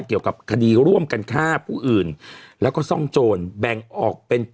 เกี่ยวกับคดีร่วมกันฆ่าผู้อื่นแล้วก็ซ่องโจรแบ่งออกเป็น